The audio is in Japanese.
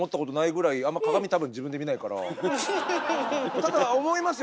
ただ思いますよ